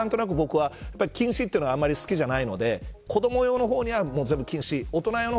何となく僕は禁止というのはあまり好きじゃないので子ども用には全部禁止。